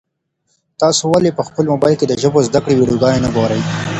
تاسي ولي په خپل موبایل کي د ژبو د زده کړې ویډیوګانې نه ګورئ؟